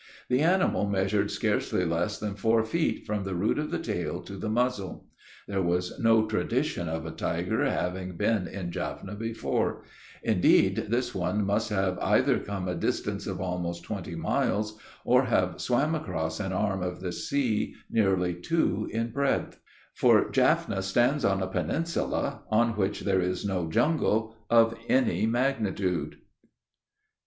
The animal measured scarcely less than four feet from the root of the tail to the muzzle There was no tradition of a tiger having been in Jaffna before; indeed, this one must have either come a distance of almost twenty miles, or have swam across an arm of the sea nearly two in breadth; for Jaffna stands on a peninsula, on which there is no jungle of any magnitude."